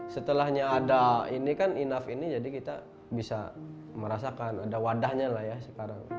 setelahnya ada ini kan enough ini jadi kita bisa merasakan ada wadahnya lah ya sekarang